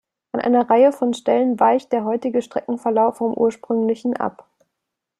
An einer Reihe von Stellen weicht der heutige Streckenverlauf vom ursprünglichen ab.